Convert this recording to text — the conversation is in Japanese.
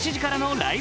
ライブ！」